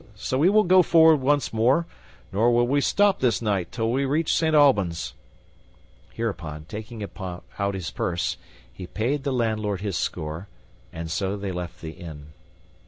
So we will go forward once more, nor will we stop this night till we reach Saint Albans." Hereupon, taking out his purse, he paid the landlord his score, and so they left the inn.